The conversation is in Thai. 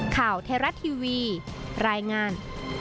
ข่าวเทราะทีวีรายงาน